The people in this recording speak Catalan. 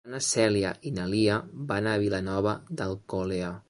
Demà na Cèlia i na Lia van a Vilanova d'Alcolea.